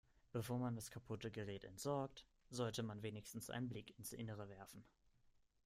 Bevor man das kaputte Gerät entsorgt, sollte man wenigstens einen Blick ins Innere werfen.